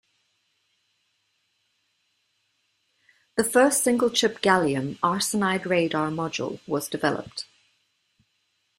The first single-chip gallium arsenide radar module was developed.